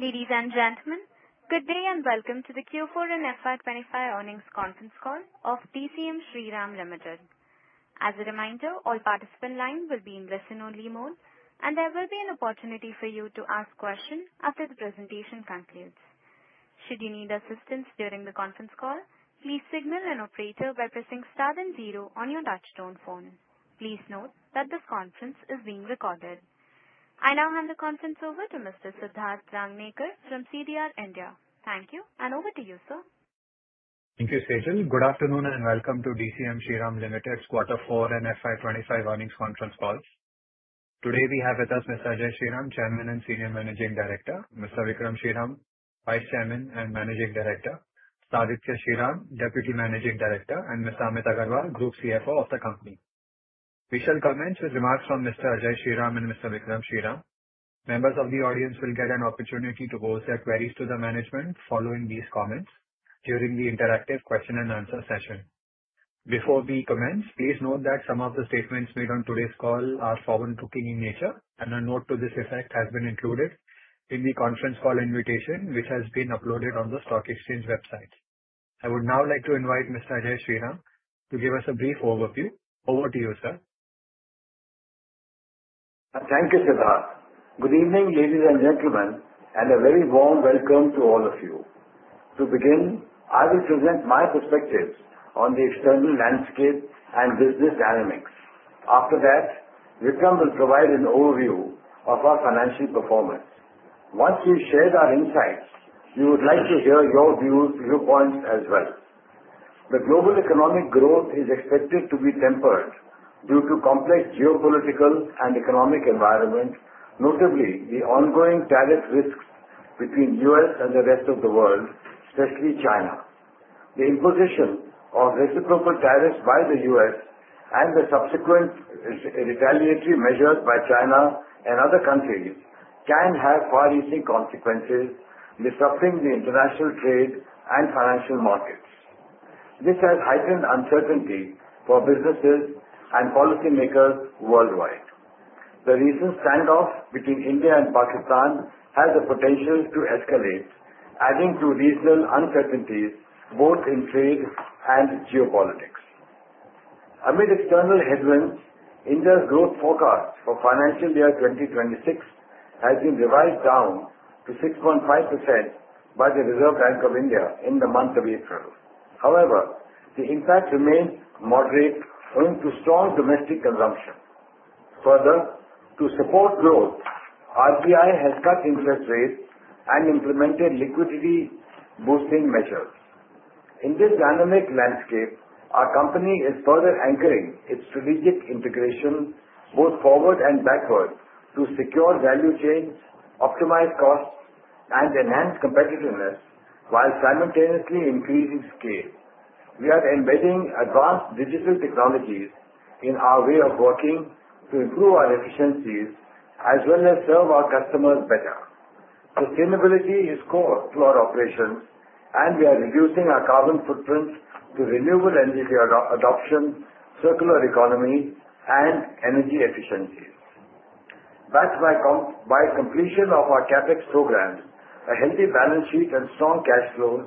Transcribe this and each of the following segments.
Ladies and gentlemen, good day and welcome to the Q4 and FY 2025 earnings conference call of DCM Shriram Limited. As a reminder, all participant lines will be in listen-only mode, and there will be an opportunity for you to ask questions after the presentation concludes. Should you need assistance during t he conference call, please signal an operator by pressing star then zero on your touch-tone phone. Please note that this conference is being recorded. I now hand the conference over to Mr. Siddharth Ranganaker from CDR India. Thank you, and over to you, sir. Thank you, Sejal. Good afternoon and welcome to DCM Shriram Limited's Q4 and FY 2025 earnings conference call. Today we have with us Mr. Ajay Shriram, Chairman and Senior Managing Director, Mr. Vikram Shriram, Vice Chairman and Managing Director, Aditya Shriram, Deputy Managing Director, and Mr. Amit Agarwal, Group CFO of the company. We shall commence with remarks from Mr. Ajay Shriram and Mr. Vikram Shriram. Members of the audience will get an opportunity to pose their queries to the management following these comments during the interactive question-and-answer session. Before we commence, please note that some of the statements made on today's call are forward-looking in nature, and a note to this effect has been included in the conference call invitation, which has been uploaded on the stock exchange website. I would now like to invite Mr. Ajay Shriram to give us a brief overview. Over to you, sir. Thank you, Siddharth. Good evening, ladies and gentlemen, and a very warm welcome to all of you. To begin, I will present my perspectives on the external landscape and business dynamics. After that, Vikram will provide an overview of our financial performance. Once we share our insights, we would like to hear your views, viewpoints as well. The global economic growth is expected to be tempered due to complex geopolitical and economic environments, notably the ongoing tariff risks between the U.S. and the rest of the world, especially China. The imposition of reciprocal tariffs by the U.S. and the subsequent retaliatory measures by China and other countries can have far-reaching consequences, disrupting the international trade and financial markets. This has heightened uncertainty for businesses and policymakers worldwide. The recent standoff between India and Pakistan has the potential to escalate, adding to regional uncertainties both in trade and geopolitics. Amid external headwinds, India's growth forecast for financial year 2026 has been revised down to 6.5% by the Reserve Bank of India in the month of April. However, the impact remains moderate, owing to strong domestic consumption. Further, to support growth, the RBI has cut interest rates and implemented liquidity-boosting measures. In this dynamic landscape, our company is further anchoring its strategic integration both forward and backward to secure value chains, optimize costs, and enhance competitiveness while simultaneously increasing scale. We are embedding advanced digital technologies in our way of working to improve our efficiencies as well as serve our customers better. Sustainability is core to our operations, and we are reducing our carbon footprint through renewable energy adoption, circular economy, and energy efficiencies. Backed by completion of our CapEx programs, a healthy balance sheet, and strong cash flows,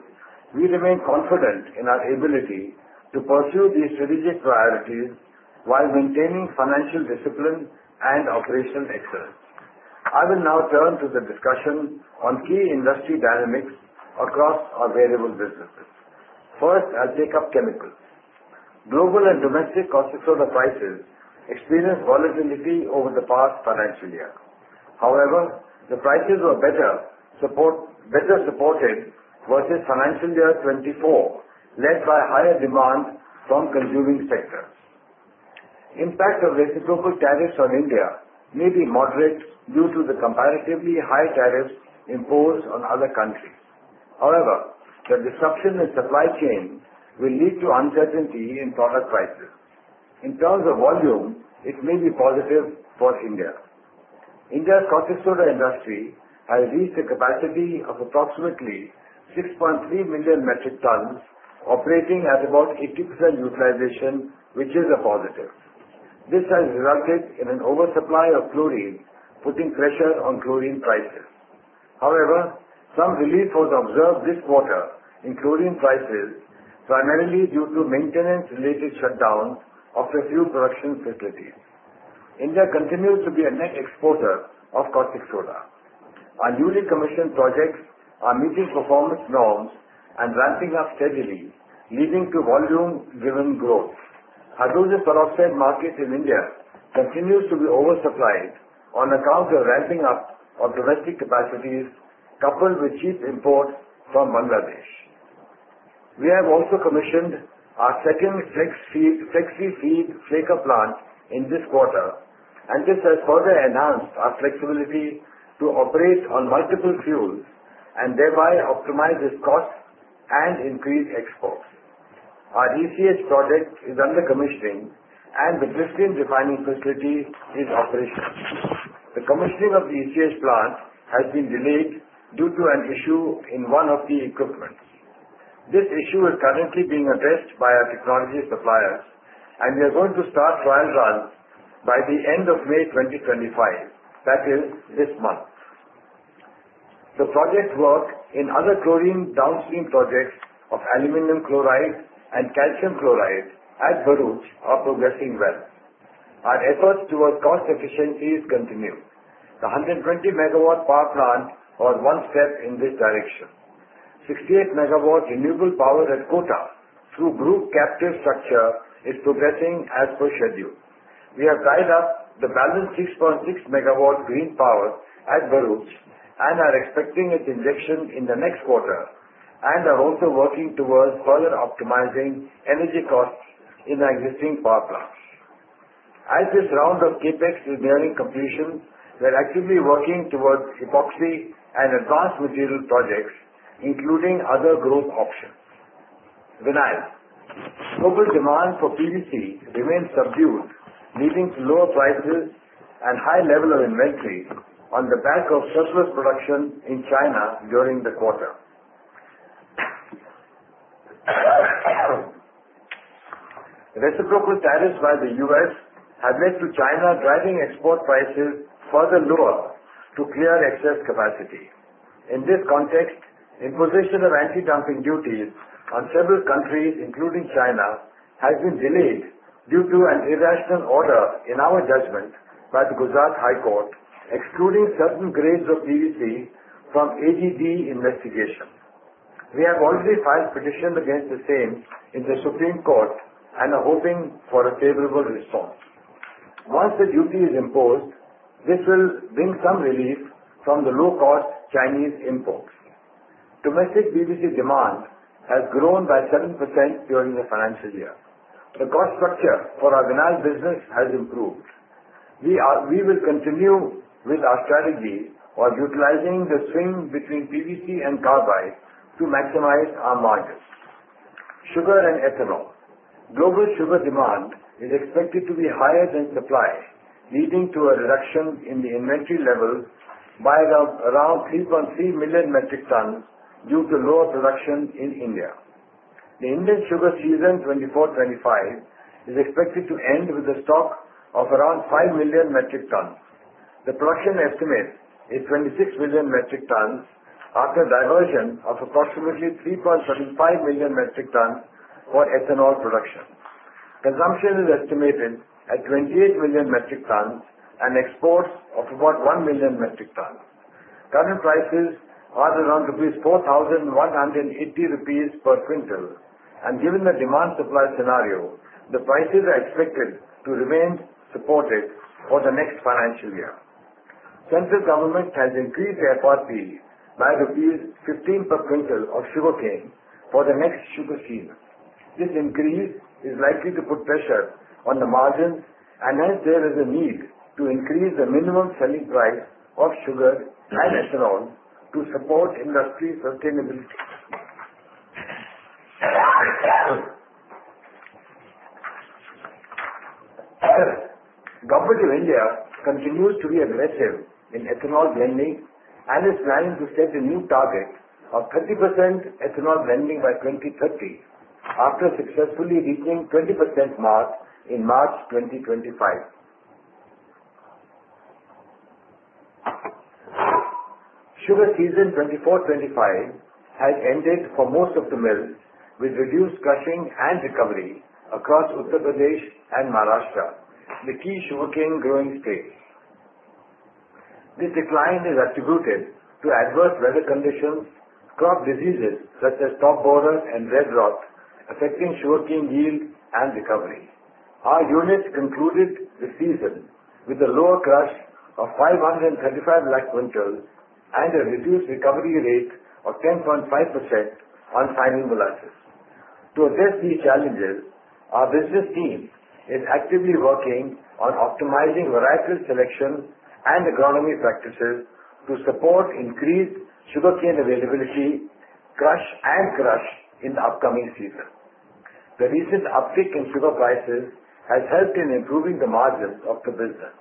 we remain confident in our ability to pursue these strategic priorities while maintaining financial discipline and operational excellence. I will now turn to the discussion on key industry dynamics across our variable businesses. First, I'll take up chemicals. Global and domestic caustic soda prices experienced volatility over the past financial year. However, the prices were better supported versus financial year 2024, led by higher demand from consuming sectors. Impact of reciprocal tariffs on India may be moderate due to the comparatively high tariffs imposed on other countries. However, the disruption in supply chains will lead to uncertainty in product prices. In terms of volume, it may be positive for India. India's caustic soda industry has reached a capacity of approximately 6.3 million metric tons, operating at about 80% utilization, which is a positive. This has resulted in an oversupply of chlorine, putting pressure on chlorine prices. However, some relief was observed this quarter in chlorine prices, primarily due to maintenance-related shutdowns of a few production facilities. India continues to be a net exporter of caustic soda. Our newly commissioned projects are meeting performance norms and ramping up steadily, leading to volume-driven growth. Hydrogen peroxide market in India continues to be oversupplied on account of ramping up of domestic capacities, coupled with cheap imports from Bangladesh. We have also commissioned our second flexi-feed flaker plant in this quarter, and this has further enhanced our flexibility to operate on multiple fuels and thereby optimize its costs and increase exports. Our ECH project is under commissioning, and the distilling refining facility is operational. The commissioning of the ECH plant has been delayed due to an issue in one of the equipments. This issue is currently being addressed by our technology suppliers, and we are going to start trial runs by the end of May 2025, that is, this month. The project work in other chlorine downstream projects of aluminum chloride and calcium chloride at Bharuch are progressing well. Our efforts towards cost efficiencies continue. The 120-MW power plant was one step in this direction. The 68-MW renewable power at Kota through group captive structure is progressing as per schedule. We have tied up the balance 6.6-MW green power at Bharuch and are expecting its injection in the next quarter, and are also working towards further optimizing energy costs in the existing power plants. As this round of CapEx is nearing completion, we are actively working towards epoxy and advanced material projects, including other growth options. Vinyl, global demand for PVC remains subdued, leading to lower prices and a high level of inventory on the back of surplus production in China during the quarter. Reciprocal tariffs by the United States have led to China driving export prices further lower to clear excess capacity. In this context, imposition of anti-dumping duties on several countries, including China, has been delayed due to an irrational order in our judgment by the Gujarat High Court, excluding certain grades of PVC from anti-dumping investigation. We have already filed petitions against the same in the Supreme Court and are hoping for a favorable response. Once the duty is imposed, this will bring some relief from the low-cost Chinese imports. Domestic PVC demand has grown by 7% during the financial year. The cost structure for our vinyl business has improved. We will continue with our strategy of utilizing the swing between PVC and carbide to maximize our margins. Sugar and ethanol: global sugar demand is expected to be higher than supply, leading to a reduction in the inventory levels by around 3.3 million metric tons due to lower production in India. The Indian sugar season 2024-2025 is expected to end with a stock of around 5 million metric tons. The production estimate is 26 million metric tons after a diversion of approximately 3.75 million metric tons for ethanol production. Consumption is estimated at 28 million metric tons and exports of about 1 million metric tons. Current prices are around 4,180 rupees per quintal, and given the demand-supply scenario, the prices are expected to remain supported for the next financial year. Central government has increased the FRPs by rupees 15 per quintal of sugarcane for the next sugar season. This increase is likely to put pressure on the margins, and hence there is a need to increase the minimum selling price of sugar and ethanol to support industry sustainability. Government of India continues to be aggressive in ethanol blending and is planning to set a new target of 30% ethanol blending by 2030 after successfully reaching the 20% mark in March 2025. Sugar season 2024-2025 has ended for most of the mills, with reduced crushing and recovery across Uttar Pradesh and Maharashtra, the key sugarcane-growing states. This decline is attributed to adverse weather conditions, crop diseases such as top borer and red rot affecting sugarcane yield and recovery. Our units concluded the season with a lower crush of 53.5 million quintals and a reduced recovery rate of 10.5% on final molasses. To address these challenges, our business team is actively working on optimizing varietal selection and agronomy practices to support increased sugarcane availability, crush, and crush in the upcoming season. The recent uptick in sugar prices has helped in improving the margins of the business.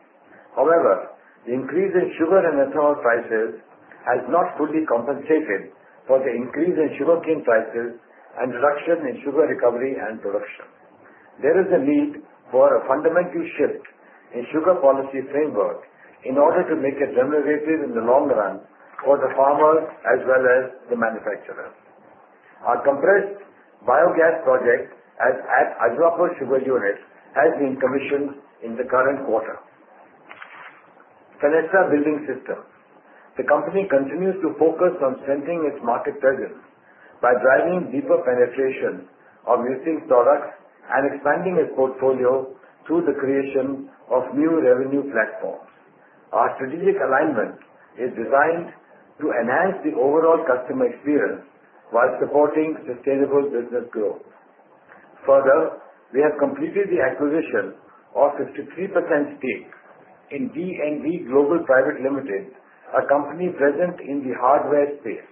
However, the increase in sugar and ethanol prices has not fully compensated for the increase in sugarcane prices and reduction in sugar recovery and production. There is a need for a fundamental shift in sugar policy framework in order to make it remunerative in the long run for the farmer as well as the manufacturer. Our compressed biogas project at Ajwapur Sugar Unit has been commissioned in the current quarter. Fenesta Building Systems: the company continues to focus on strengthening its market presence by driving deeper penetration of existing products and expanding its portfolio through the creation of new revenue platforms. Our strategic alignment is designed to enhance the overall customer experience while supporting sustainable business growth. Further, we have completed the acquisition of 53% stake in DNV Global Private Limited, a company present in the hardware space.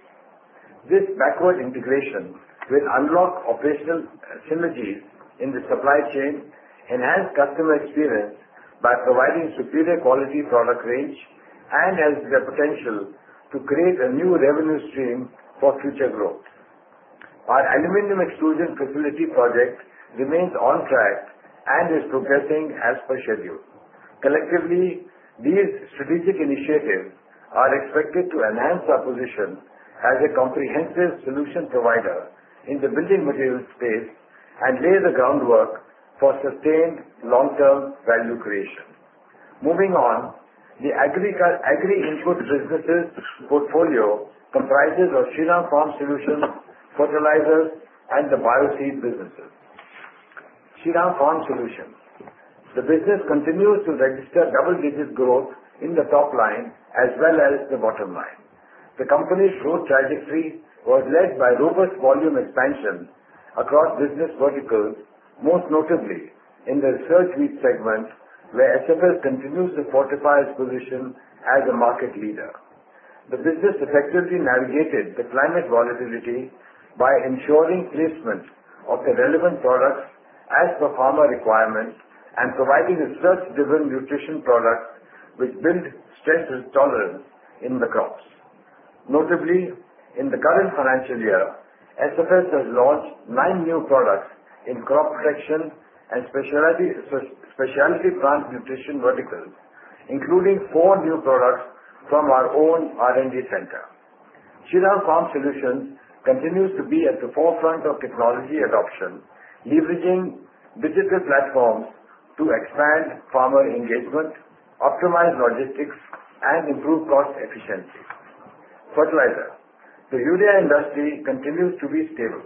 This backward integration will unlock operational synergies in the supply chain, enhance customer experience by providing superior quality product range, and has the potential to create a new revenue stream for future growth. Our aluminum extrusion facility project remains on track and is progressing as per schedule. Collectively, these strategic initiatives are expected to enhance our position as a comprehensive solution provider in the building materials space and lay the groundwork for sustained long-term value creation. Moving on, the agri-input businesses portfolio comprises Shriram Farm Solutions, fertilizers, and the bio-seed businesses. Shriram Farm Solutions: the business continues to register double-digit growth in the top line as well as the bottom line. The company's growth trajectory was led by robust volume expansion across business verticals, most notably in the research wheat segment, where SFS continues to fortify its position as a market leader. The business effectively navigated the climate volatility by ensuring placement of the relevant products as per farmer requirements and providing research-driven nutrition products which build stress tolerance in the crops. Notably, in the current financial year, SFS has launched nine new products in crop protection and specialty plant nutrition verticals, including four new products from our own R&D center. Shriram Farm Solutions continues to be at the forefront of technology adoption, leveraging digital platforms to expand farmer engagement, optimize logistics, and improve cost efficiency. Fertilizer: the urea industry continues to be stable.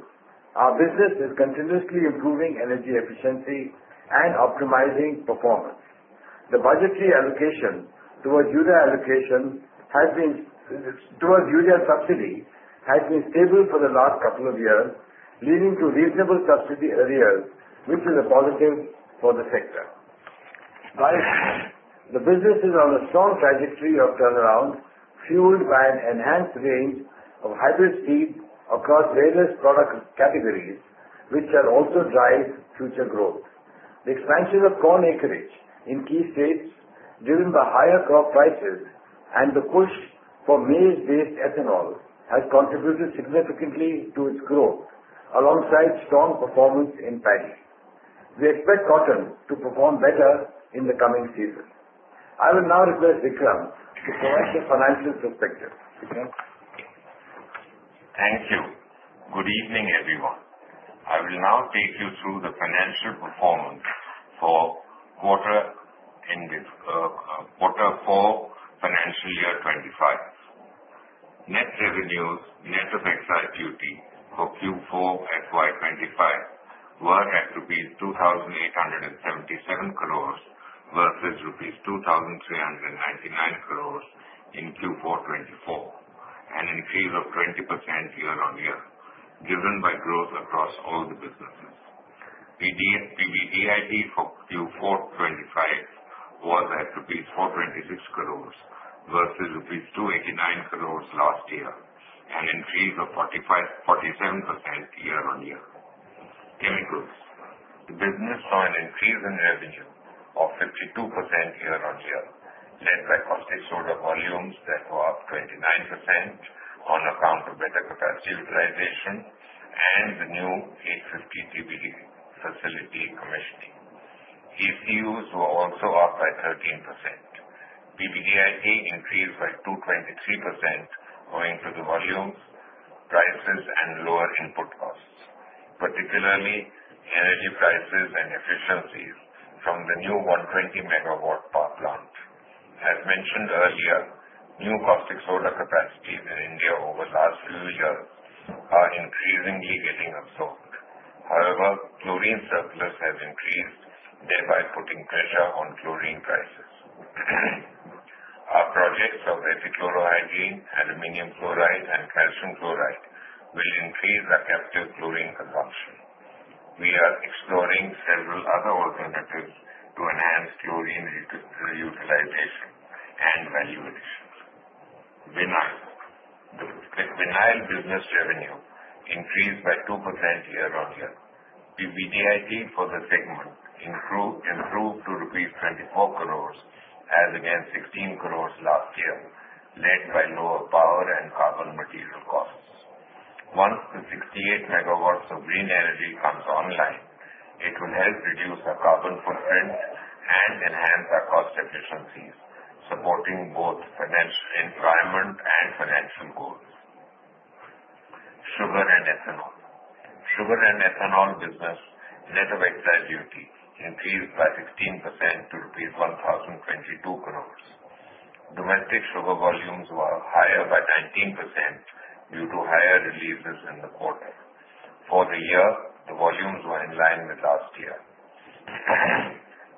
Our business is continuously improving energy efficiency and optimizing performance. The budgetary allocation towards urea subsidy has been stable for the last couple of years, leading to reasonable subsidy arrears, which is a positive for the sector. The business is on a strong trajectory of turnaround, fueled by an enhanced range of hybrid seeds across various product categories, which shall also drive future growth. The expansion of corn acreage in key states, given the higher crop prices and the push for maize-based ethanol, has contributed significantly to its growth, alongside strong performance in paddy. We expect cotton to perform better in the coming season. I will now request Vikram to provide the financial perspective.. Thank you. Good evening, everyone. I will now take you through the financial performance for quarter four, financial year 2025 Net revenues, net effects IQT for Q4 FY 2025 were at rupees 2,877 crore versus rupees 2,399 crore in Q4 2024, an increase of 20% year-on-year, driven by growth across all the businesses. PBDIT for Q4 2025 was at rupees 426 crore versus rupees 289 crore last year, an increase of 47% year-on-year. Chemicals: the business saw an increase in revenue of 52% year-on-year, led by caustic soda volumes that were up 29% on account of better capacity utilization and the new 850 TPD facility commissioning. ECUs were also up by 13%. PBDIT increased by 223% owing to the volumes, prices, and lower input costs, particularly energy prices and efficiencies from the new 120-MW power plant. As mentioned earlier, new caustic soda capacities in India over the last few years are increasingly getting absorbed. However, chlorine surplus has increased, thereby putting pressure on chlorine prices. Our projects of ethyl chlorohydrin, aluminum chloride, and calcium chloride will increase our captive chlorine consumption. We are exploring several other alternatives to enhance chlorine utilization and value addition. Vinyl: the vinyl business revenue increased by 2% year-on-year. PBDIT for the segment improved to rupees 240 million as against 160 million last year, led by lower power and carbon material costs. Once the 68 MW of green energy comes online, it will help reduce our carbon footprint and enhance our cost efficiencies, supporting both environment and financial goals. Sugar and ethanol: sugar and ethanol business net effects IQT increased by 16% to rupees 1,022 crore. Domestic sugar volumes were higher by 19% due to higher releases in the quarter. For the year, the volumes were in line with last year.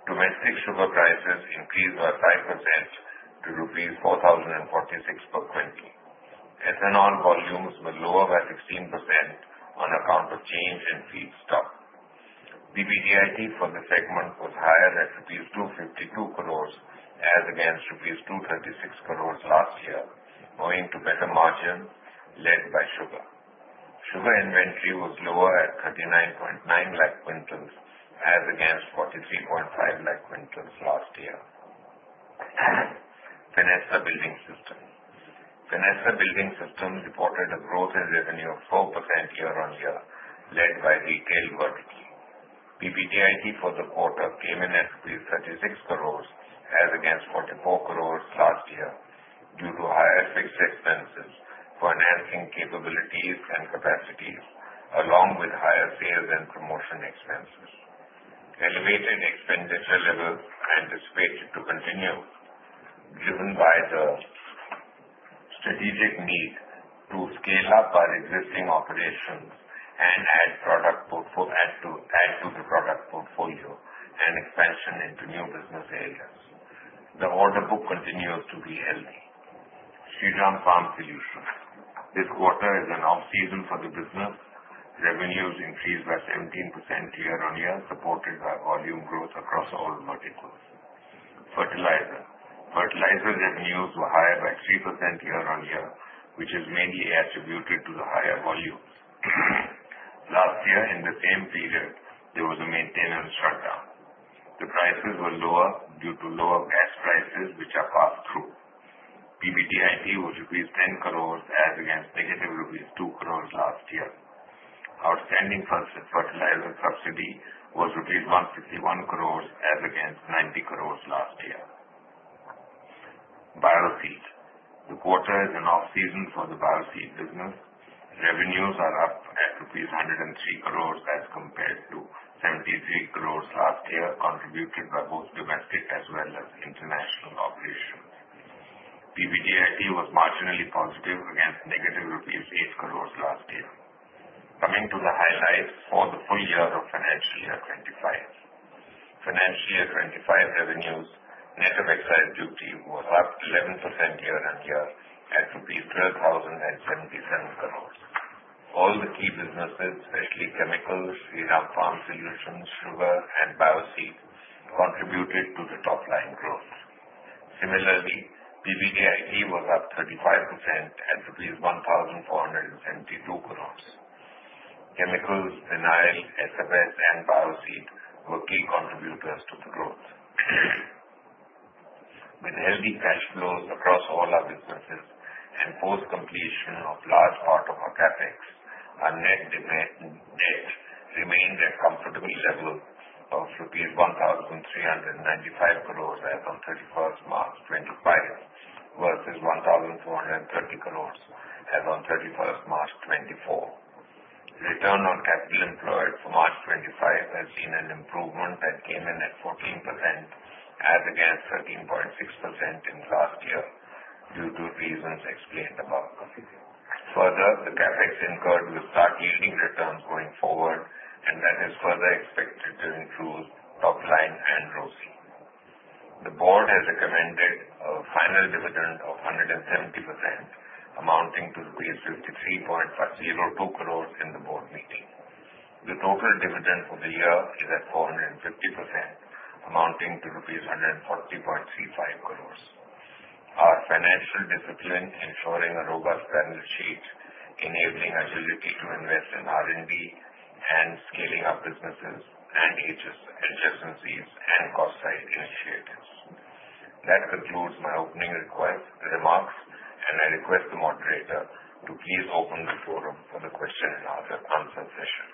Domestic sugar prices increased by 5% to rupees 4,046 per quintal. Ethanol volumes were lower by 16% on account of change in feed stock. PBDIT for the segment was higher at rupees 252 crore as against rupees 236 crore last year, owing to better margins led by sugar. Sugar inventory was lower at 3.99 million quintals as against 4.35 million quintals last year. Fenesta Building Systems reported a growth in revenue of 4% year-on-year, led by retail vertical. PBDIT for the quarter came in at 36 crore as against 44 crore last year due to higher fixed expenses, financing capabilities and capacities, along with higher sales and promotion expenses. Elevated expenditure levels anticipated to continue, driven by the strategic need to scale up our existing operations and add to the product portfolio and expansion into new business areas. The order book continues to be healthy. Shriram Farm Solutions: this quarter is an off-season for the business. Revenues increased by 17% year-on-year, supported by volume growth across all verticals. Fertilizer: fertilizer revenues were higher by 3% year-on-year, which is mainly attributed to the higher volumes. Last year, in the same period, there was a maintenance shutdown. The prices were lower due to lower gas prices, which are pass-through. PBDIT was rupees 10 crore as against rupees 2 crore last year. Outstanding fertilizer subsidy was rupees 151 crore as against 90 crore last year. Bio-seed: the quarter is an off-season for the bio-seed business. Revenues are up at rupees 103 crore as compared to 73 crore last year, contributed by both domestic as well as international operations. PBDIT was marginally positive against rupees 8 crore last year. Coming to the highlights for the full year of financial year 2025: financial year 2025 revenues, net effects IQT was up 11% year-on-year at 12,077 crore. All the key businesses, especially chemicals, Shriram Farm Solutions, sugar, and bio-seed, contributed to the top-line growth. Similarly, PBDIT was up 35% at 1,472 crore. Chemicals, vinyl, SFS, and bio-seed were key contributors to the growth. With healthy cash flows across all our businesses and post-completion of large part of our CapEx, our net remained at comfortable levels of INR 1,395 crore as on 31 March 2025 versus 1,430 crore as on 31 March 2024. Return on capital employed for March 2025 has seen an improvement and came in at 14% as against 13.6% last year due to reasons explained above. Further, the CapEx incurred will start yielding returns going forward, and that is further expected to improve top-line and ROSI. The board has recommended a final dividend of 170%, amounting to 53.02 crore in the board meeting. The total dividend for the year is at 450%, amounting to rupees 140.35 crore. Our financial discipline ensuring a robust balance sheet, enabling agility to invest in R&D and scaling our businesses and adjustments and cost-side initiatives. That concludes my opening remarks, and I request the moderator to please open the forum for the question and answer session.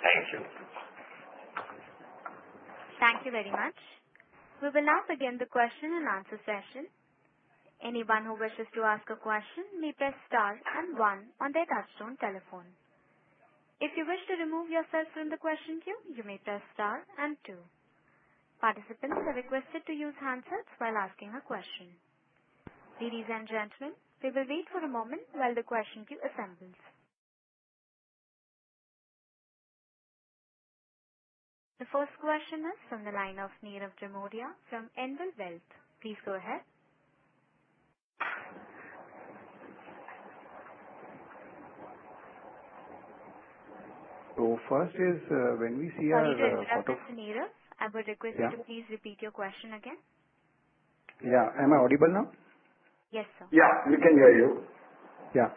Thank you. Thank you very much. We will now begin the question-and-answer session. Anyone who wishes to ask a question may press star and one on their touchstone telephone. If you wish to remove yourself from the question queue, you may press star and two. Participants are requested to use handsets while asking a question. Ladies and gentlemen, we will wait for a moment while the question queue assembles. The first question is from the line of Nirav Jimudia from Anvil Wealth. Please go ahead. So first is when we see our audience. Hello? I would request you to please repeat your question again. Yeah. Am I audible now? Yes, sir. Yeah. We can hear you. Yeah.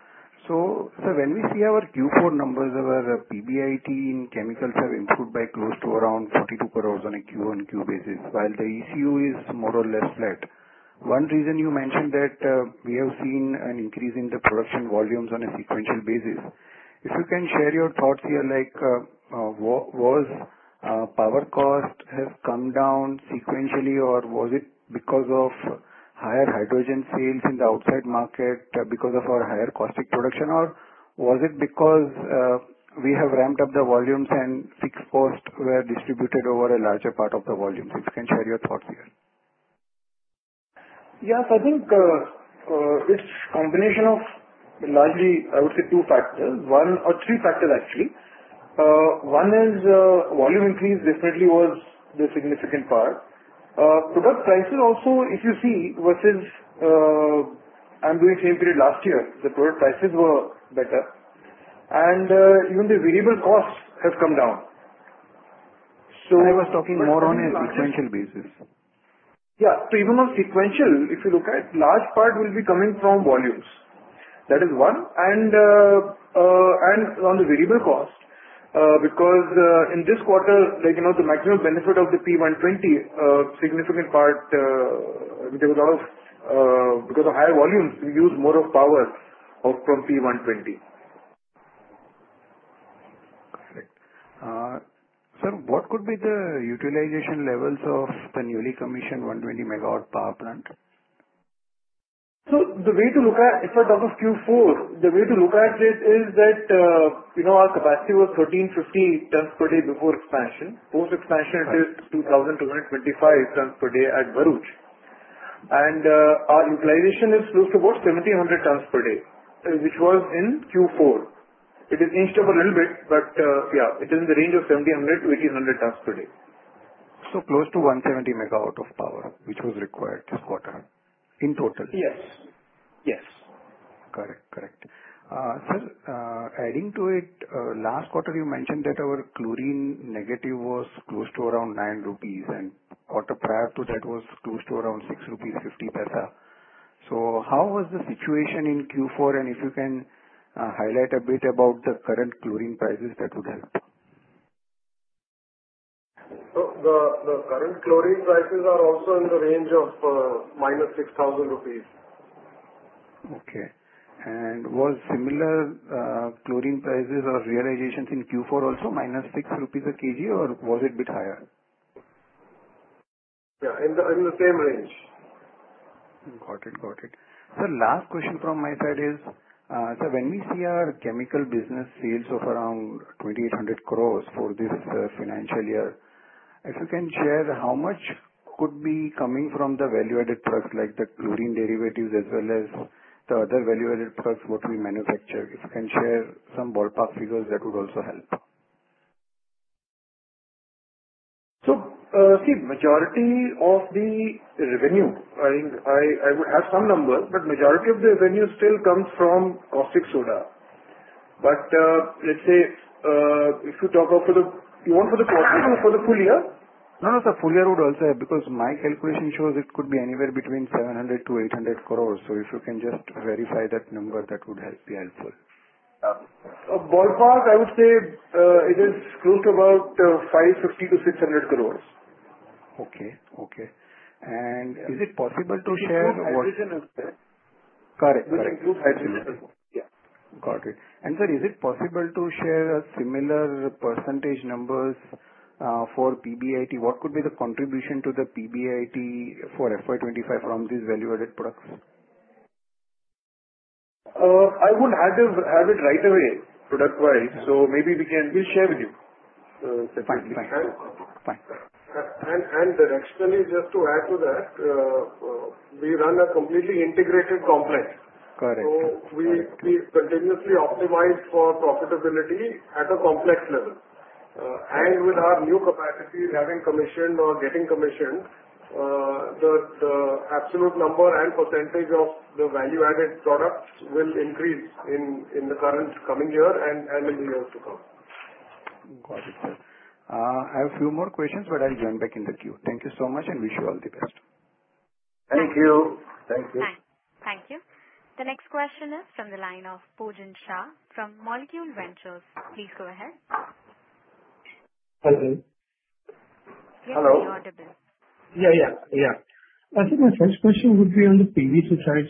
So sir, when we see our Q4 numbers, our PBIT in chemicals have improved by close to around 42 crore on a Q-on-Q basis, while the ECU is more or less flat. One reason you mentioned that we have seen an increase in the production volumes on a sequential basis. If you can share your thoughts here, like was power cost have come down sequentially, or was it because of higher hydrogen sales in the outside market because of our higher cost of production, or was it because we have ramped up the volumes and fixed costs were distributed over a larger part of the volumes? If you can share your thoughts here. Yes. I think it's a combination of largely, I would say, two factors. One or three factors, actually. One is volume increase definitely was the significant part. Product prices also, if you see, versus I'm doing same period last year, the product prices were better, and even the variable costs have come down. I was talking more on a sequential basis. Yeah. Even on sequential, if you look at, large part will be coming from volumes. That is one. On the variable cost, because in this quarter, the maximum benefit of the P120, significant part, there was a lot of because of higher volumes, we use more of power from P120. Sir, what could be the utilization levels of the newly commissioned 120-MW power plant? The way to look at if I talk of Q4, the way to look at it is that our capacity was 1,350 tons per day before expansion. Post-expansion, it is 2,225 tons per day at Bharuch. Our utilization is close to about 1,700 tons per day, which was in Q4. It has changed up a little bit, but yeah, it is in the range of 1,700-1,800 tons per day. Close to 170 MW of power was required this quarter in total? Yes. Yes. Correct. Correct. Sir, adding to it, last quarter you mentioned that our chlorine negative was close to around 9 rupees, and the quarter prior to that was close to around 6.50 rupees. How was the situation in Q4? If you can highlight a bit about the current chlorine prices, that would help. The current chlorine prices are also in the range of minus 6,000 rupees. Okay. Were similar chlorine prices or realizations in Q4 also -6,000 rupees a kg, or was it a bit higher? Yeah. In the same range. Got it. Got it. Sir, last question from my side is, sir, when we see our chemical business sales of around 2,800 crore for this financial year, if you can share how much could be coming from the value-added products, like the chlorine derivatives as well as the other value-added products what we manufacture? If you can share some ballpark figures, that would also help. See, majority of the revenue, I mean, I would have some numbers, but majority of the revenue still comes from caustic soda. Let's say if you talk of for the, you want for the quarter or for the full year? No, no, sir. Full year would also help because my calculation shows it could be anywhere between 700- 800 crore. If you can just verify that number, that would be helpful. Ballpark, I would say it is close to about 550 crore-600 crore. Okay. Okay. And is it possible to share what? Correct. Which includes hydrogen. Yeah. Got it. And sir, is it possible to share similar percentage numbers for PBIT? What could be the contribution to the PBIT for FY 2025 from these value-added products? I would have it right away, product-wise. So maybe we can, we'll share with you separately. Fine. Fine. Additionally, just to add to that, we run a completely integrated complex. Correct. We continuously optimize for profitability at a complex level. With our new capacity having commissioned or getting commissioned, the absolute number and percentage of the value-added products will increase in the current coming year and in the years to come. Got it, sir. I have a few more questions, but I'll join back in the queue. Thank you so much and wish you all the best. Thank you. The next question is from the line of Pujan Shah from Molecule Ventures. Please go ahead. Hello. Yes, we are audible. Yeah. I think my first question would be on the PVC side.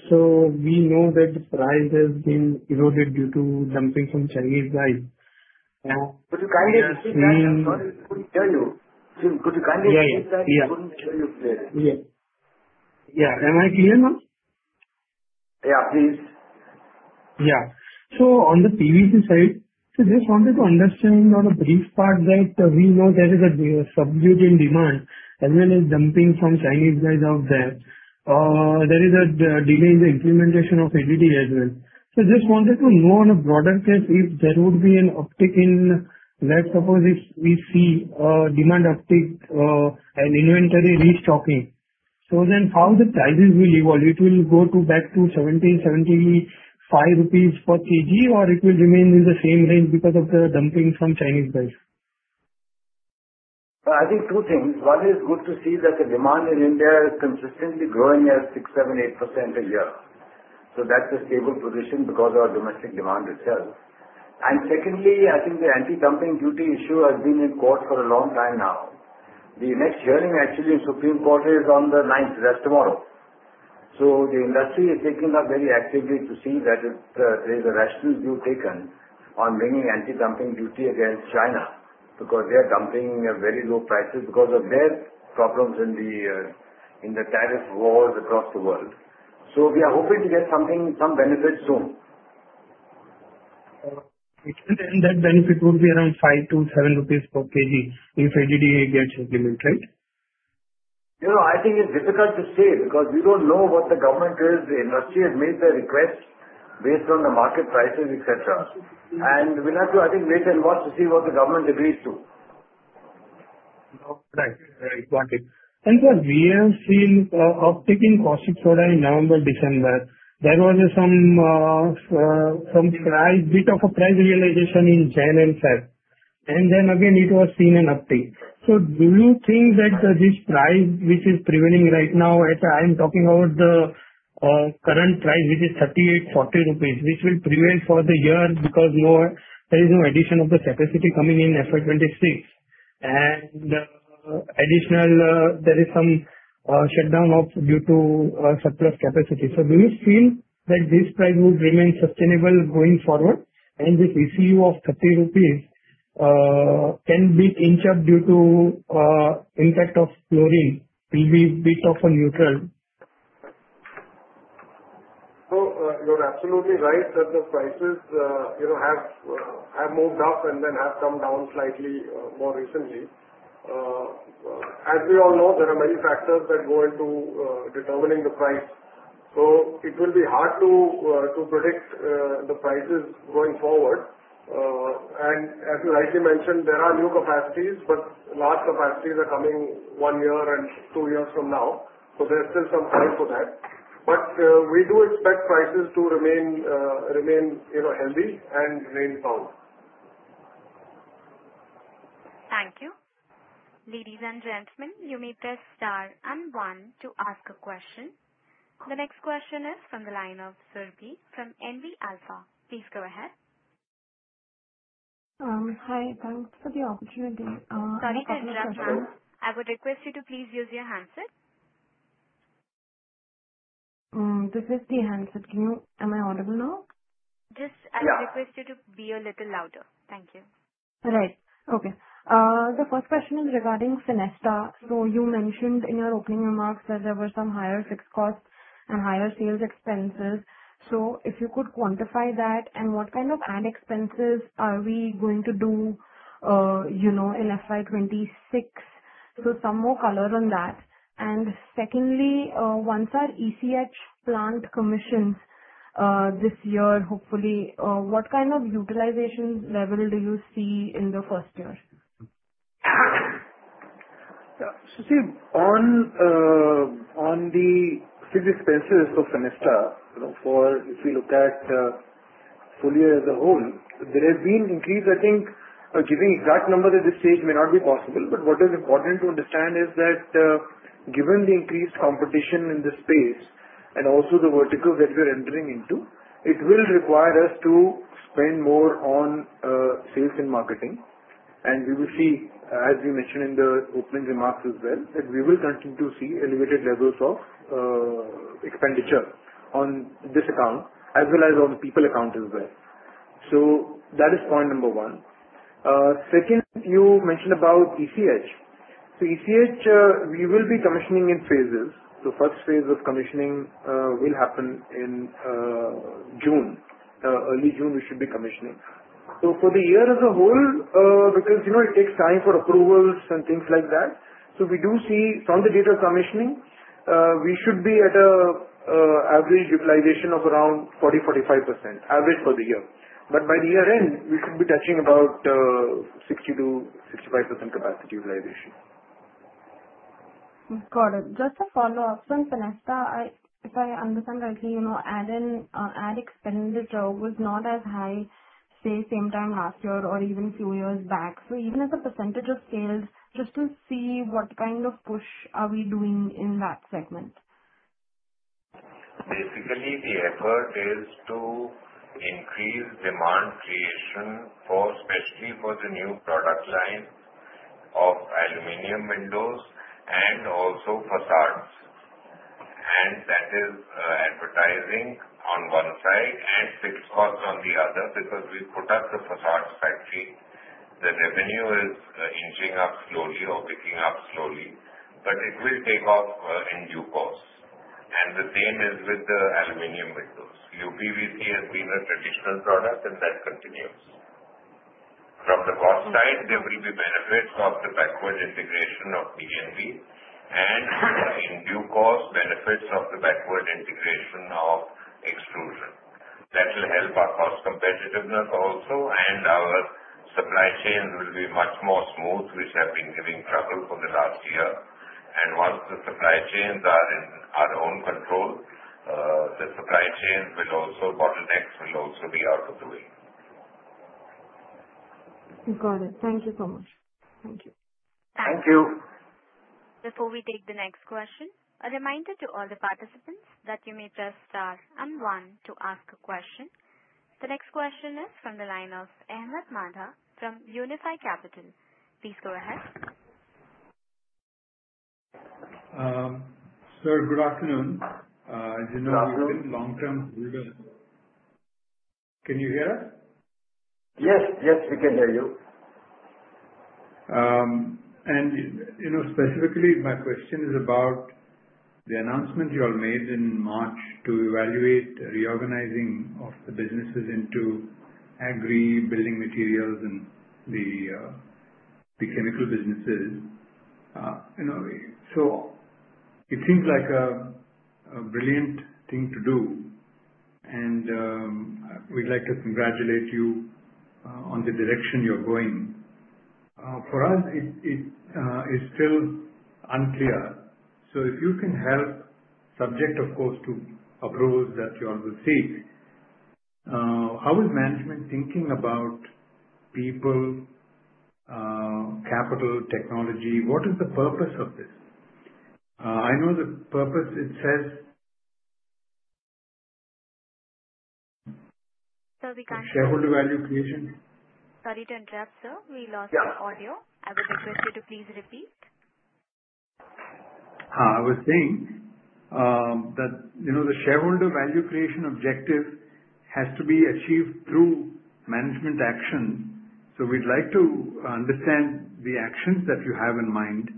We know that the price has been eroded due to dumping from Chinese guys. Could you kindly repeat that? I'm sorry. I couldn't hear you. Could you kindly repeat that? I couldn't hear you clearly. Am I clear now? Yeah. Please. On the PVC side, just wanted to understand on a brief part that we know there is a subdued demand as well as dumping from Chinese guys out there. There is a delay in the implementation of EDD as well. Just wanted to know on a broader case if there would be an uptick in, let's suppose we see demand uptick and inventory restocking. Then how will the prices evolve? Will it go back to 170-175 rupees per kg, or will it remain in the same range because of the dumping from Chinese guys? I think two things. One is good to see that the demand in India is consistently growing at 6%-8% a year. That is a stable position because of our domestic demand itself. Secondly, I think the anti-dumping duty issue has been in court for a long time now. The next hearing, actually, in Supreme Court is on the 9th, that is tomorrow. The industry is taking up very actively to see that there is a rational view taken on bringing anti-dumping duty against China because they are dumping at very low prices because of their problems in the tariff wars across the world. We are hoping to get some benefit soon. That benefit would be around 5-7 rupees per kg if EDD gets implemented, right? I think it's difficult to say because we don't know what the government is. The industry has made their requests based on the market prices, etc. We'll have to, I think, wait and watch to see what the government agrees to. Right. Right. Got it. Sir, we have seen uptick in caustic soda in November, December. There was some bit of a price realization in China and PET. Then again, it was seen an uptick. Do you think that this price, which is prevailing right now, I am talking about the current price, which is 38 rupees, 40 rupees, which will prevail for the year because there is no addition of the capacity coming in FY 2026? Additionally, there is some shutdown due to surplus capacity. Do you feel that this price would remain sustainable going forward? And this ECU of 30 rupees can be inched up due to impact of chlorine. Will be a bit of a neutral? You're absolutely right that the prices have moved up and then have come down slightly more recently. As we all know, there are many factors that go into determining the price. It will be hard to predict the prices going forward. As you rightly mentioned, there are new capacities, but large capacities are coming one year and two years from now. There is still some time for that. We do expect prices to remain healthy and remain sound. Thank you. Ladies and gentlemen, you may press star and one to ask a question. The next question is from the line of Surabhi from NV Alpha. Please go ahead. Hi. Thanks for the opportunity. Sorry, could you just hold? I would request you to please use your handset. This is the handset. Am I audible now? I would request you to be a little louder. Thank you. Right. Okay. The first question is regarding Fenesta. You mentioned in your opening remarks that there were some higher fixed costs and higher sales expenses. If you could quantify that and what kind of added expenses are we going to do in FY 2026? Some more color on that. Secondly, once our ECH plant commissions this year, hopefully, what kind of utilization level do you see in the first year? On the fixed expenses of Fenesta, if we look at the full year as a whole, there has been an increase. I think giving exact numbers at this stage may not be possible. What is important to understand is that given the increased competition in the space and also the verticals that we are entering into, it will require us to spend more on sales and marketing. We will see, as you mentioned in the opening remarks as well, that we will continue to see elevated levels of expenditure on this account as well as on the people account as well. That is point number one. Second, you mentioned about ECH. ECH, we will be commissioning in phases. First phase of commissioning will happen in June. Early June, we should be commissioning. For the year as a whole, because it takes time for approvals and things like that, we do see from the date of commissioning, we should be at an average utilization of around 40%-45% average for the year. By the year end, we should be touching about 60%-65% capacity utilization. Got it. Just a follow-up. In Fenesta, if I understand rightly, added expenditure was not as high, say, same time last year or even a few years back. Even as a percentage of sales, just to see what kind of push are we doing in that segment? Basically, the effort is to increase demand creation especially for the new product line of aluminum windows and also facades. That is advertising on one side and fixed costs on the other because we've put up the facades factory. The revenue is inching up slowly or picking up slowly, but it will take off in due course. The same is with the aluminum windows. UPVC has been a traditional product, and that continues. From the cost side, there will be benefits of the backward integration of PNV and in due course, benefits of the backward integration of extrusion. That will help our cost competitiveness also, and our supply chains will be much more smooth, which have been giving trouble for the last year. Once the supply chains are in our own control, the supply chain bottlenecks will also be out of the way. Got it. Thank you so much. Thank you. Thank you. Before we take the next question, a reminder to all the participants that you may press star and one to ask a question. The next question is from the line of Ahmed Madha from Unifi Capital. Please go ahead. Sir, good afternoon. As you know, we've been long-term holders. Can you hear us? Yes. Yes, we can hear you. Specifically, my question is about the announcement you all made in March to evaluate reorganizing of the businesses into agri, building materials, and the chemical businesses. It seems like a brilliant thing to do, and we'd like to congratulate you on the direction you're going. For us, it is still unclear. If you can help, subject, of course, to approvals that you all will seek, how is management thinking about people, capital, technology? What is the purpose of this? I know the purpose it says. The shareholder value creation. Sorry to interrupt, sir. We lost the audio. I would request you to please repeat. I was saying that the shareholder value creation objective has to be achieved through management action. So we'd like to understand the actions that you have in mind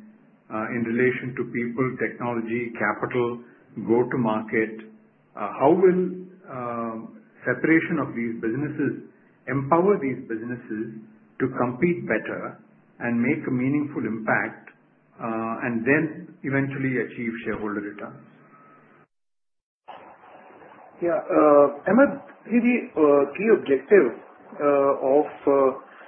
in relation to people, technology, capital, go-to-market. How will separation of these businesses empower these businesses to compete better and make a meaningful impact and then eventually achieve shareholder returns? Yeah. Ahmed, see, the key objective of,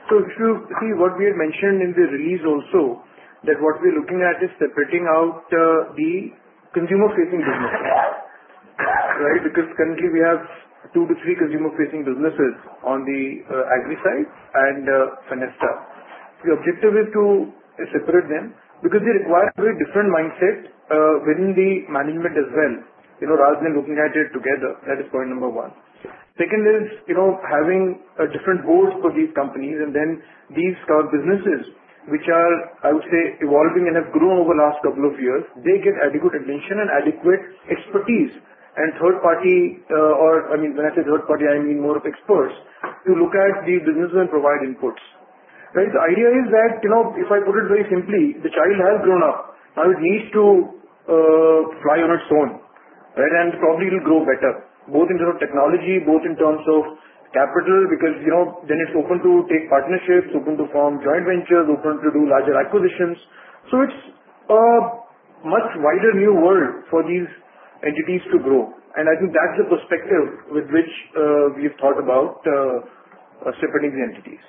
so if you see what we had mentioned in the release also, that what we're looking at is separating out the consumer-facing businesses, right? Because currently, we have two to three consumer-facing businesses on the agri side and Fenesta. The objective is to separate them because they require a very different mindset within the management as well rather than looking at it together. That is point number one. Second is having different boards for these companies. And then these businesses, which are, I would say, evolving and have grown over the last couple of years, they get adequate attention and adequate expertise. And third-party or, I mean, when I say third-party, I mean more experts to look at the business and provide inputs. Right? The idea is that if I put it very simply, the child has grown up. Now it needs to fly on its own, right? And probably it'll grow better, both in terms of technology, both in terms of capital, because then it's open to take partnerships, open to form joint ventures, open to do larger acquisitions. It is a much wider new world for these entities to grow. I think that's the perspective with which we've thought about separating the entities.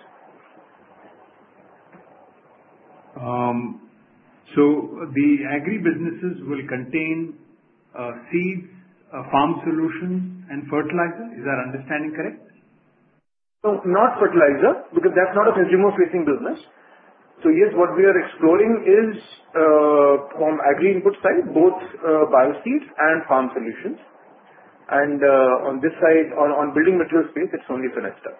The agri businesses will contain seeds, farm solutions, and fertilizer. Is that understanding correct? No, not fertilizer because that's not a consumer-facing business. Yes, what we are exploring is from agri input side, both Bioseed and Farm Solutions. On this side, on building materials space, it's only Fenesta.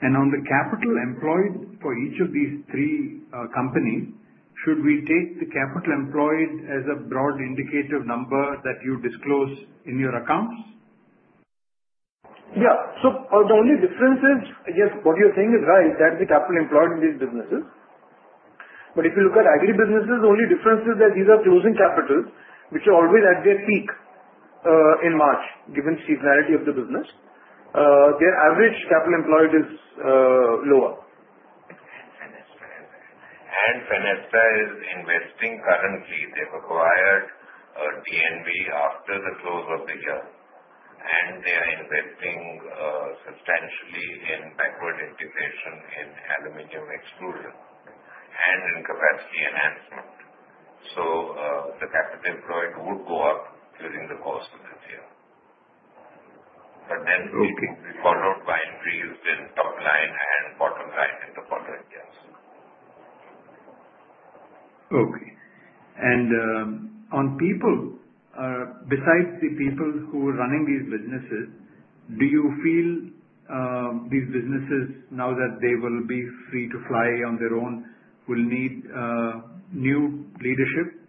Okay. On the capital employed for each of these three companies, should we take the capital employed as a broad indicative number that you disclose in your accounts? Yeah. The only difference is, yes, what you're saying is right. That's the capital employed in these businesses. If you look at agri businesses, the only difference is that these are closing capitals, which are always at their peak in March, given seasonality of the business. Their average capital employed is lower. Fenesta is investing currently. They've acquired DNV after the close of the year, and they are investing substantially in backward integration in aluminum extrusion and in capacity enhancement. The capital employed would go up during the course of this year. It would then be followed by reuse in top line and bottom line in the quartering years. Okay. On people, besides the people who are running these businesses, do you feel these businesses, now that they will be free to fly on their own, will need new leadership?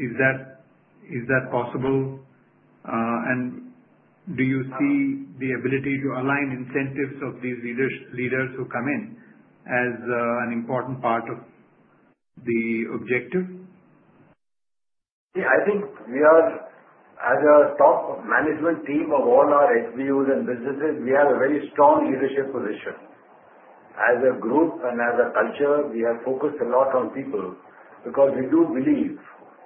Is that possible? Do you see the ability to align incentives of these leaders who come in as an important part of the objective? Yeah. I think we are, as a top management team of all our SBUs and businesses, we have a very strong leadership position. As a group and as a culture, we have focused a lot on people because we do believe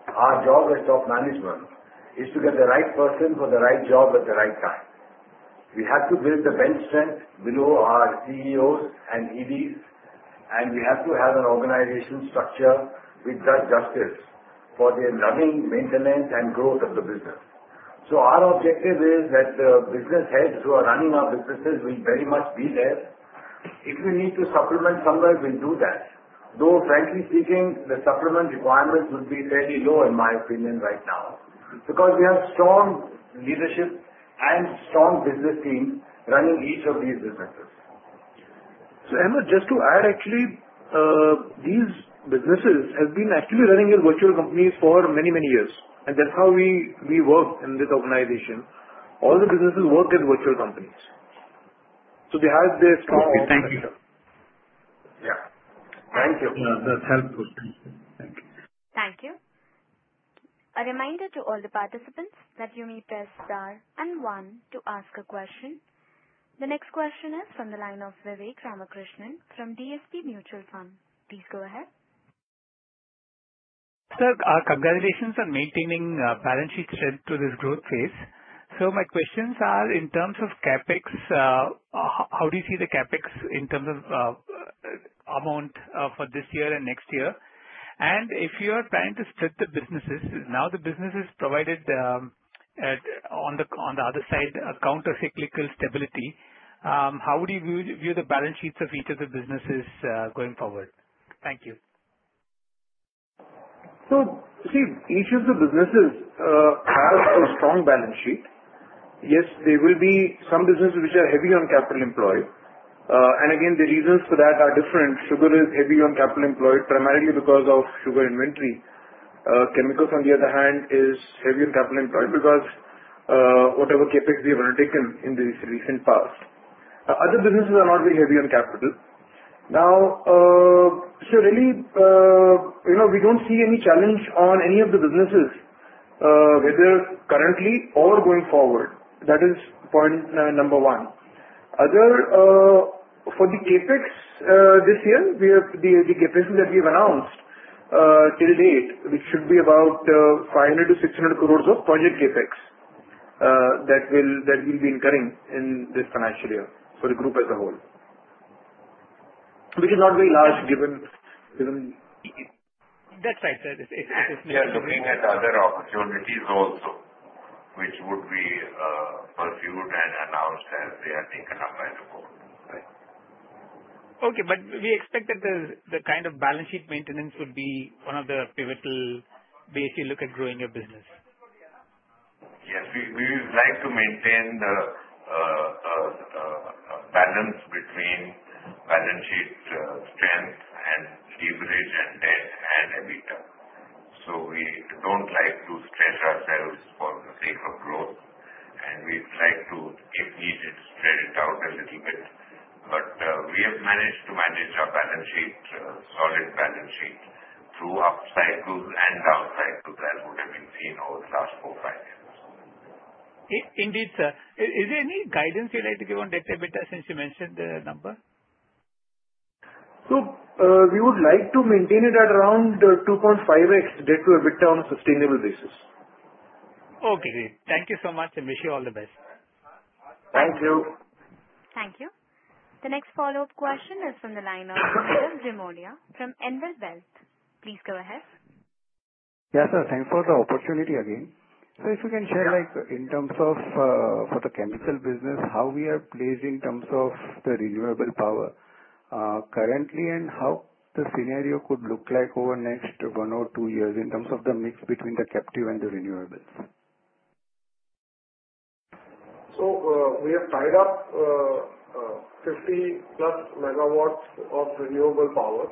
our job as top management is to get the right person for the right job at the right time. We have to build the bench strength below our CEOs and EDs, and we have to have an organization structure which does justice for the running, maintenance, and growth of the business. Our objective is that the business heads who are running our businesses will very much be there. If we need to supplement somewhere, we'll do that. Though, frankly speaking, the supplement requirements would be fairly low, in my opinion, right now because we have strong leadership and strong business teams running each of these businesses. Ahmed, just to add, actually, these businesses have been actually running virtual companies for many, many years. That's how we work in this organization. All the businesses work in virtual companies, so they have their strong Okay. Thank you. Yeah. Thank you. Yeah. That's helpful. Thank you. Thank you. A reminder to all the participants that you may press star and one to ask a question. The next question is from the line of Vivek Ramakrishnan from DSP Mutual Fund. Please go ahead. Sir, congratulations on maintaining balance sheet strength to this growth phase. My questions are in terms of CapEx, how do you see the CapEx in terms of amount for this year and next year? And if you are planning to split the businesses, now the businesses provided on the other side, countercyclical stability, how would you view the balance sheets of each of the businesses going forward? Thank you. See, each of the businesses has a strong balance sheet. Yes, there will be some businesses which are heavy on capital employed. The reasons for that are different. Sugar is heavy on capital employed primarily because of sugar inventory. Chemicals, on the other hand, is heavy on capital employed because of whatever CapEx we have undertaken in the recent past. Other businesses are not very heavy on capital. Really, we do not see any challenge on any of the businesses, whether currently or going forward. That is point number one. For the CapEx this year, the CapEx that we have announced till date, which should be about 500 crore-600 crore of project CapEx that will be incurring in this financial year for the group as a whole, which is not very large given. That is right. It is not. Yeah. Looking at other opportunities also, which would be pursued and announced as they are taken up by the board. Right. Okay. We expect that the kind of balance sheet maintenance would be one of the pivotal ways you look at growing your business. Yes. We would like to maintain the balance between balance sheet strength and leverage and debt and EBITDA. We do not like to stretch ourselves for the sake of growth, and we would like to, if needed, stretch it out a little bit. We have managed to manage our balance sheet, solid balance sheet, through up cycles and down cycles as we have been seeing over the last four, five years. Indeed, sir. Is there any guidance you would like to give on debt EBITDA since you mentioned the number? We would like to maintain it at around 2.5x debt to EBITDA on a sustainable basis. Okay. Great. Thank you so much, and wish you all the best. Thank you. Thank you. The next follow-up question is from the line of Nirav Jimudia from Anvil Wealth. Please go ahead. Yes, sir. Thanks for the opportunity again. If you can share in terms of for the chemical business, how we are placed in terms of the renewable power currently and how the scenario could look like over the next one or two years in terms of the mix between the captive and the renewables. We have tied up 50+ MW of renewable power,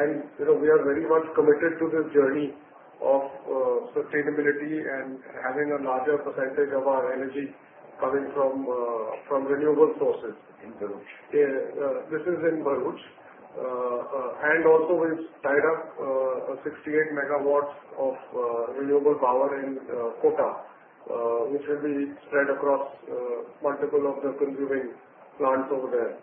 and we are very much committed to this journey of sustainability and having a larger percentage of our energy coming from renewable sources. This is in Bharuch. We have also tied up 68 MW of renewable power in Kota, which will be spread across multiple of the consuming plants over there.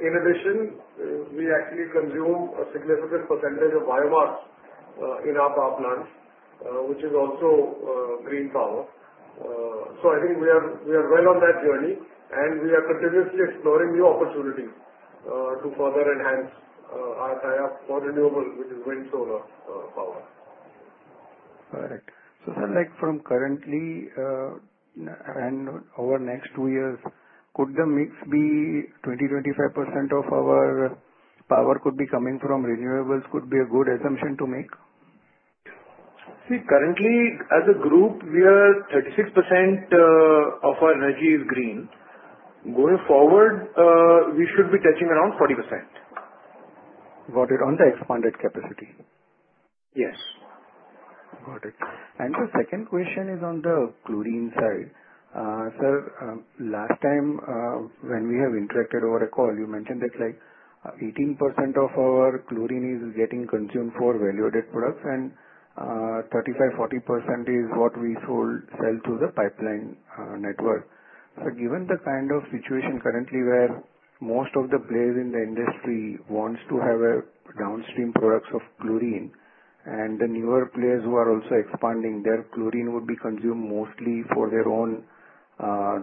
In addition, we actually consume a significant percentage of biomass in our power plants, which is also green power. I think we are well on that journey, and we are continuously exploring new opportunities to further enhance our tie-up for renewables, which is wind, solar, power. All right. Sir, from currently and over the next two years, could the mix be 20%-25% of our power could be coming from renewables, could be a good assumption to make? See, currently, as a group, we are 36% of our energy is green. Going forward, we should be touching around 40%. Got it. On the expanded capacity. Yes. Got it. The second question is on the chlorine side. Sir, last time when we have interacted over a call, you mentioned that 18% of our chlorine is getting consumed for value-added products, and 35%-40% is what we sell through the pipeline network. Given the kind of situation currently where most of the players in the industry want to have downstream products of chlorine and the newer players who are also expanding, their chlorine would be consumed mostly for their own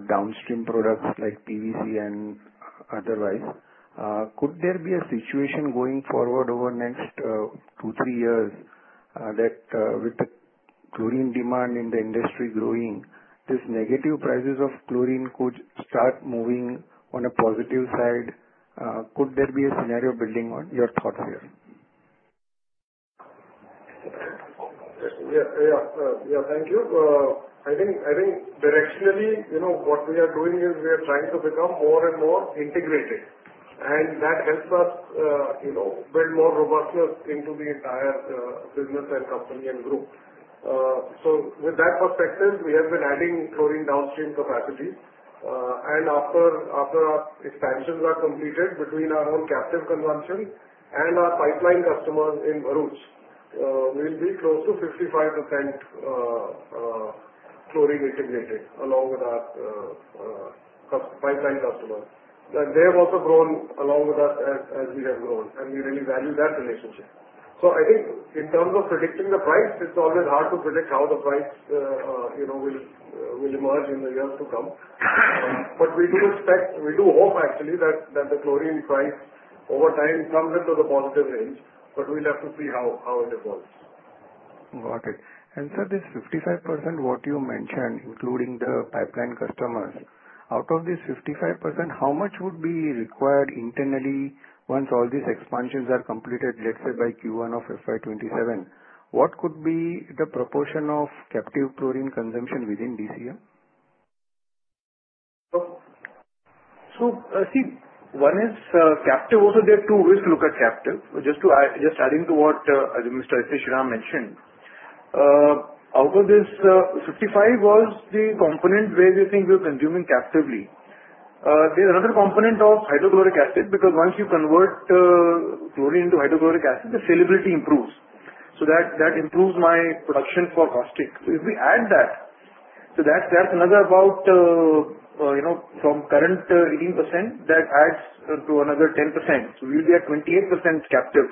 downstream products like PVC and otherwise, could there be a situation going forward over the next two, three years that with the chlorine demand in the industry growing, these negative prices of chlorine could start moving on a positive side? Could there be a scenario building on your thoughts here? Yeah. Thank you. I think directionally, what we are doing is we are trying to become more and more integrated, and that helps us build more robustness into the entire business and company and group. With that perspective, we have been adding chlorine downstream capacity. After our expansions are completed, between our own captive consumption and our pipeline customers in Bharuch, we will be close to 55% chlorine integrated along with our pipeline customers. They have also grown along with us as we have grown, and we really value that relationship. I think in terms of predicting the price, it is always hard to predict how the price will emerge in the years to come. We do expect, we do hope actually, that the chlorine price over time comes into the positive range, but we will have to see how it evolves. Got it. Sir, this 55% what you mentioned, including the pipeline customers, out of this 55%, how much would be required internally once all these expansions are completed, let's say by Q1 of FY 2027? What could be the proportion of captive chlorine consumption within DCM? See, one is captive also there. Two is to look at captive. Just adding to what Mr. Shriram mentioned, out of this 55 was the component where we think we're consuming captively. There's another component of hydrochloric acid because once you convert chlorine into hydrochloric acid, the salability improves. That improves my production for costing. If we add that, that's another about from current 18%, that adds to another 10%. We'll be at 28% captive.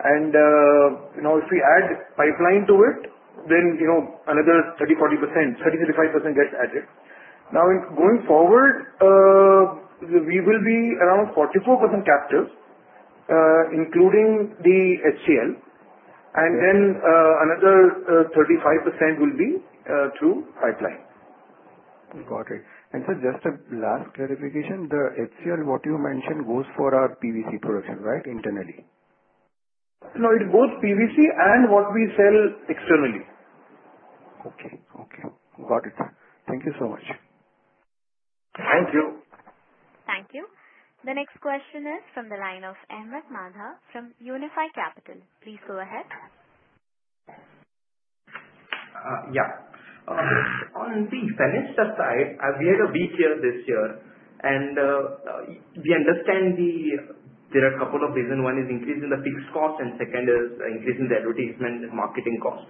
If we add pipeline to it, then another 30%-35% gets added. Now, going forward, we will be around 44% captive, including the HCL. Another 35% will be through pipeline. Got it. Sir, just a last clarification. The HCL, what you mentioned, goes for our PVC production, right, internally? No, it goes PVC and what we sell externally. Okay. Okay. Got it. Thank you so much. Thank you. Thank you. The next question is from the line of Ahmed Madha from Unifi Capital. Please go ahead. Yeah. On the Fenesta side, we had a weak year this year, and we understand there are a couple of reasons. One is increase in the fixed cost, and second is increase in the advertisement and marketing cost.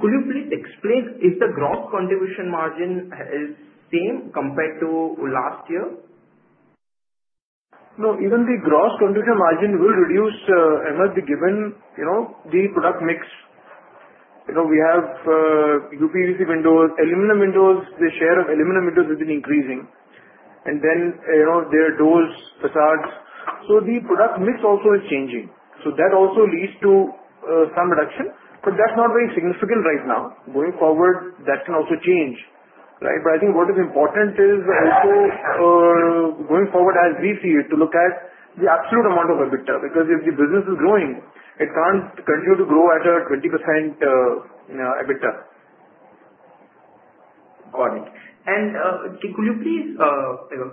Could you please explain, is the gross contribution margin the same compared to last year? No, even the gross contribution margin will reduce, Ahmed, given the product mix. We have UPVC windows, aluminum windows. The share of aluminum windows has been increasing. Then there are doors, facades. The product mix also is changing. That also leads to some reduction, but that's not very significant right now. Going forward, that can also change, right? I think what is important is also going forward, as we see it, to look at the absolute amount of EBITDA because if the business is growing, it can't continue to grow at a 20% EBITDA. Got it. Could you please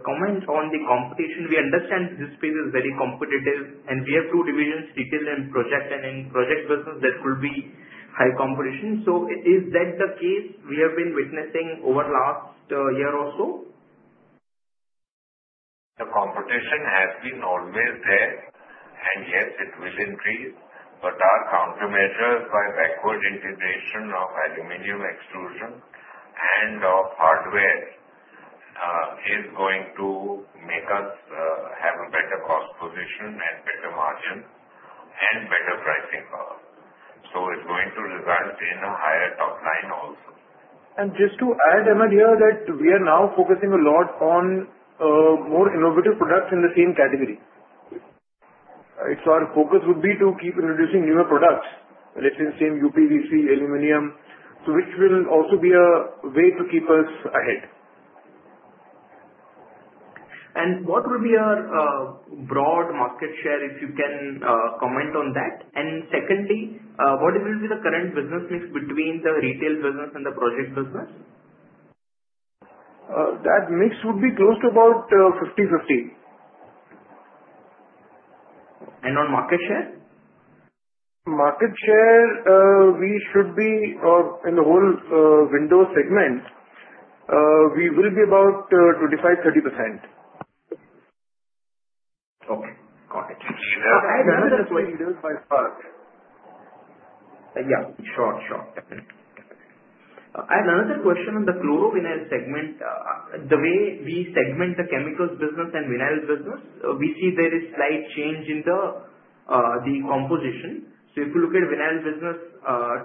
comment on the competition? We understand this space is very competitive, and we have two divisions, retail and project, and in project business, there could be high competition. Is that the case we have been witnessing over the last year or so? The competition has been always there, and yes, it will increase. Our countermeasures by backward integration of aluminum extrusion and of hardware are going to make us have a better cost position and better margin and better pricing power. It is going to result in a higher top line also. Just to add, Ahmed, we are now focusing a lot on more innovative products in the same category. Our focus would be to keep introducing newer products, let's say same UPVC, aluminum, which will also be a way to keep us ahead. What would be our broad market share, if you can comment on that? Secondly, what will be the current business mix between the retail business and the project business? That mix would be close to about 50/50. On market share, we should be in the whole window segment, we will be about 25%-30%. Okay. Got it. I have another question. Yeah. Sure. Sure. Definitely. Definitely. I have another question on the chlorovinyl segment. The way we segment the chemicals business and vinyl business, we see there is slight change in the composition. If you look at vinyl business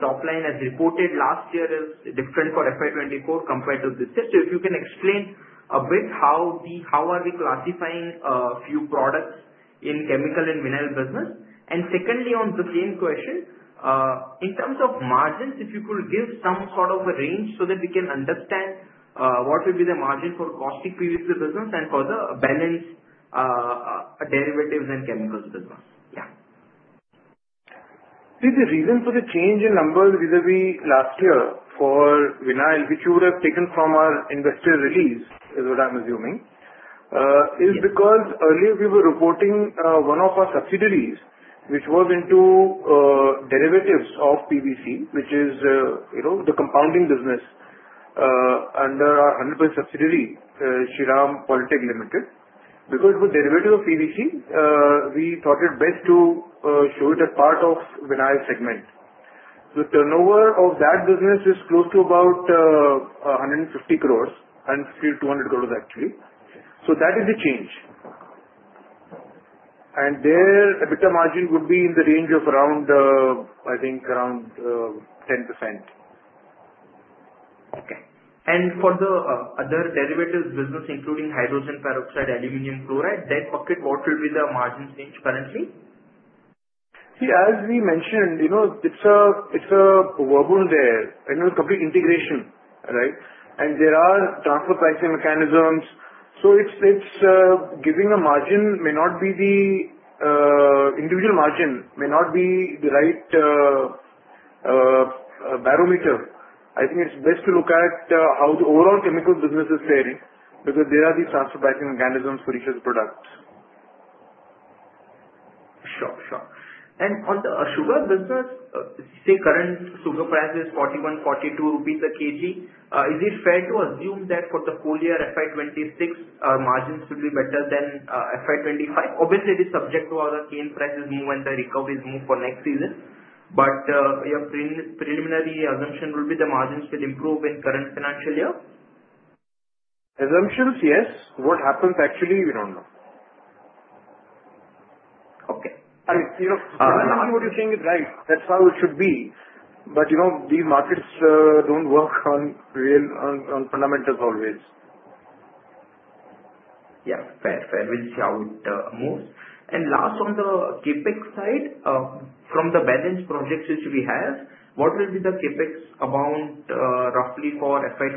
top line, as reported last year, is different for FY 2024 compared to this year. If you can explain a bit how are we classifying a few products in chemical and vinyl business? Secondly, on the same question, in terms of margins, if you could give some sort of a range so that we can understand what will be the margin for costing PVC business and for the balance derivatives and chemicals business. Yeah. See, the reason for the change in numbers last year for vinyl, which you would have taken from our investor release, is what I'm assuming, is because earlier we were reporting one of our subsidiaries, which was into derivatives of PVC, which is the compounding business under our 100% subsidiary, Shriram Quality Limited. Because we're derivative of PVC, we thought it best to show it as part of vinyl segment. The turnover of that business is close to about 150 crore, 150-200 crore, actually. That is the change. Their EBITDA margin would be in the range of around, I think, around 10%. Okay. For the other derivatives business, including hydrogen peroxide, aluminum chloride, that bucket, what will be the margin change currently? See, as we mentioned, it's a verbal there. There is complete integration, right? There are transfer pricing mechanisms. Giving a margin may not be, the individual margin may not be the right barometer. I think it's best to look at how the overall chemical business is faring because there are these transfer pricing mechanisms for each of the products. Sure. Sure. On the sugar business, say current sugar price is 41,000 rupees- 42,000 rupees a kg, is it fair to assume that for the full year, FY2026, our margins will be better than FY 2025? Obviously, it is subject to how the cane prices move and the recovery is moved for next season. Your preliminary assumption will be the margins will improve in current financial year? Assumptions, yes. What happens, actually, we don't know. Okay. I mean, fundamentally, what you're saying is right. That's how it should be. These markets don't work on fundamentals always. Yeah. Fair. Fair. We'll see how it moves. On the CapEx side, from the balance projects which we have, what will be the CapEx amount roughly for FY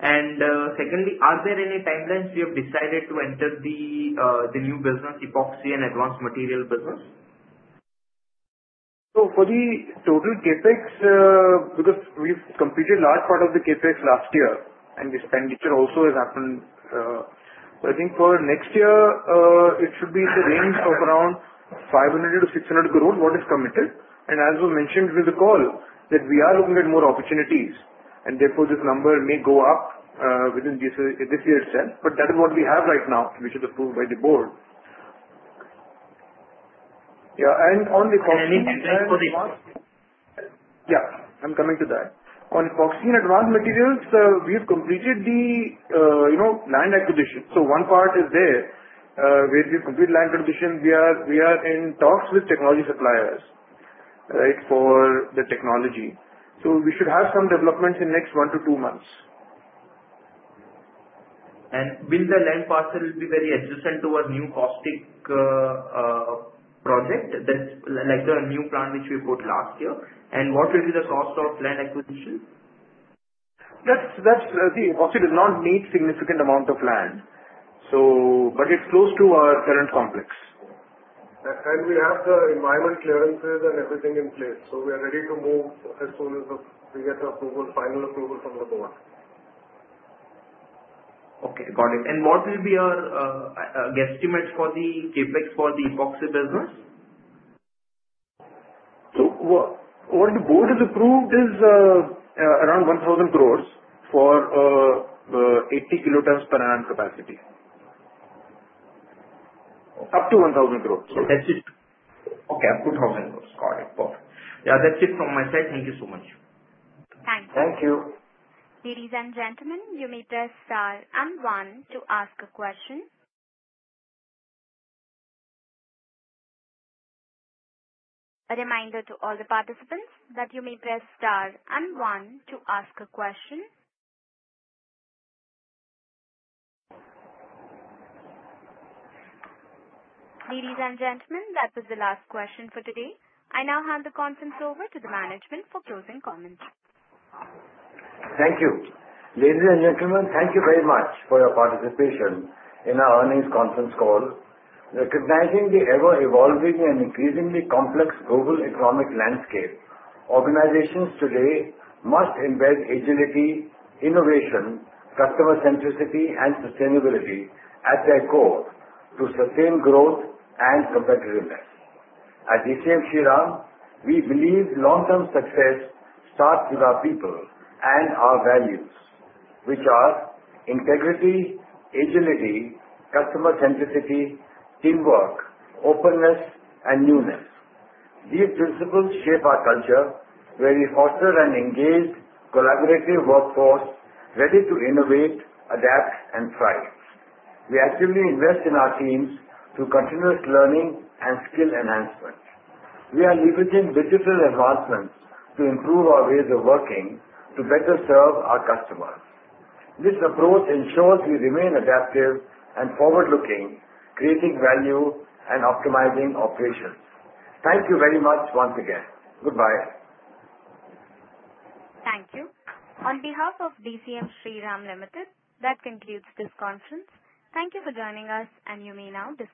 2026? Secondly, are there any timelines you have decided to enter the new business, epoxy and advanced material business? For the total CapEx, because we have completed a large part of the CapEx last year, and the expenditure also has happened, I think for next year it should be in the range of 500 crore-600 crore, what is committed. As we mentioned with the call, we are looking at more opportunities, and therefore this number may go up within this year itself. That is what we have right now, which is approved by the board. On the epoxy and advanced materials, I am coming to that. On epoxy and advanced materials, we have completed the land acquisition. One part is there where we've completed land acquisition. We are in talks with technology suppliers, right, for the technology. We should have some developments in the next one to two months. Will the land parcel be very adjacent to a new caustic project, like the new plant which we bought last year? What will be the source of land acquisition? The epoxy does not need a significant amount of land, but it's close to our current complex. We have the environment clearances and everything in place. We are ready to move as soon as we get the final approval from the board. Okay. Got it. What will be our guesstimate for the CapEx for the epoxy business? What the board has approved is around 1,000 crore for 80 kilotons per annum capacity. Up to 1,000 crore. Okay. Up to 1,000 crore. Got it. Perfect. Yeah. That's it from my side. Thank you so much. Thank you. Thanks. Ladies and gentlemen, you may press star and one to ask a question. A reminder to all the participants that you may press star and one to ask a question. Ladies and gentlemen, that was the last question for today. I now hand the conference over to the management for closing comments. Thank you. Ladies and gentlemen, thank you very much for your participation in our earnings conference call. Recognizing the ever-evolving and increasingly complex global economic landscape, organizations today must embed agility, innovation, customer centricity, and sustainability at their core to sustain growth and competitiveness. At DCM Shriram, we believe long-term success starts with our people and our values, which are integrity, agility, customer centricity, teamwork, openness, and newness. These principles shape our culture, where we foster an engaged, collaborative workforce ready to innovate, adapt, and thrive. We actively invest in our teams through continuous learning and skill enhancement. We are leveraging digital advancements to improve our ways of working to better serve our customers. This approach ensures we remain adaptive and forward-looking, creating value and optimizing operations. Thank you very much once again. Goodbye. Thank you. On behalf of DCM Shriram Limited, that concludes this conference. Thank you for joining us, and you may now disconnect.